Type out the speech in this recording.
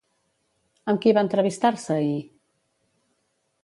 Amb qui va entrevistar-se ahir?